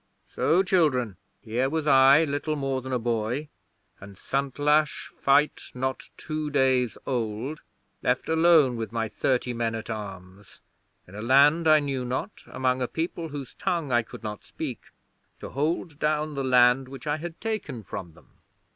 'So, children, here was I, little more than a boy, and Santlache fight not two days old, left alone with my thirty men at arms, in a land I knew not, among a people whose tongue I could not speak, to hold down the land which I had taken from them.'